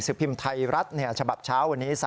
พิมพ์ไทยรัฐฉบับเช้าวันนี้